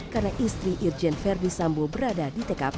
karena istri irjen ferdisambo berada di tkp